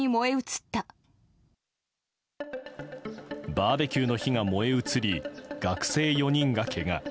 バーベキューの火が燃え移り学生４人がけが。